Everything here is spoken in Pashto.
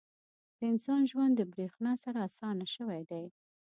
• د انسان ژوند د برېښنا سره اسانه شوی دی.